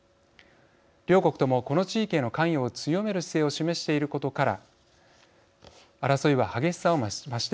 両国ともこの地域への関与を強める姿勢を示していることから争いは激しさを増していきそうです。